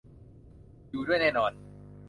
อยู่ด้วยแน่นอน